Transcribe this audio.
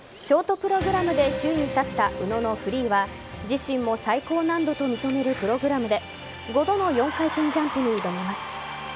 ショートプログラムで首位に立った宇野のフリーは自身も最高難度と認めるプログラムで５度の４回転ジャンプに挑みます。